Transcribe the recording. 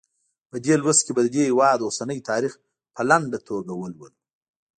په دې لوست کې به د دې هېواد اوسنی تاریخ په لنډه توګه ولولو.